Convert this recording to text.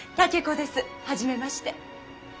初めまして。